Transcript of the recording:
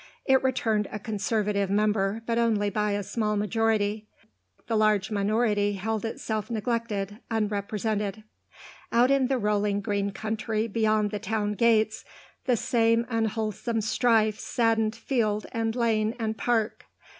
It returned a Conservative member, but only by a small majority; the large minority held itself neglected, unrepresented. Out in the rolling green country beyond the town gates, the same unwholesome strife saddened field and lane and park.